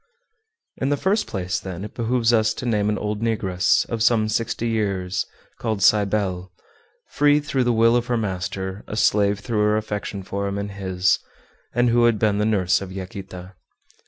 In the first place, then, it behooves us to name an old negress, of some sixty years, called Cybele, free through the will of her master, a slave through her affection for him and his, and who had been the nurse of Yaquita.